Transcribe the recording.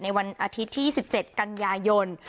วันอาทิตย์ที่๒๗กันยายน